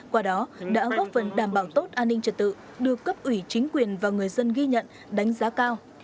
qua đó đã góp phần đảm bảo tốt an ninh trật tự được cấp ủy chính quyền và người dân ghi nhận đánh giá cao